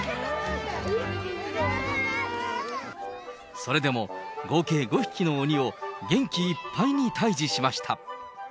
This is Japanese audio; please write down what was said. それでも合計５匹の鬼を元気いっぱいに退治しました。